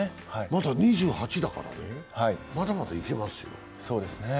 まだ２８だからね、まだまだいけますよ。